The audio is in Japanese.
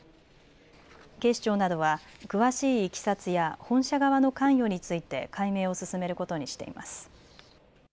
警視庁などは詳しいいきさつや本社側の関与について解明を進めることにしています。